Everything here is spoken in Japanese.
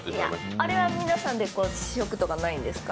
あれはみんなで試食とかないんですか？